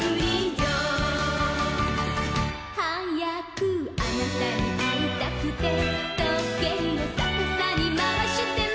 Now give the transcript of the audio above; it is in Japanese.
はやくあなたに会いたくて時計をさかさにまわしてます